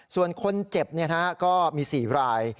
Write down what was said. ส่วนคนเจ็บก็มี๔ราย